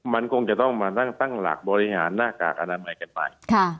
มันคงจะต้องมานั่งตั้งหลักบริหารหน้ากากอนามัยกันไป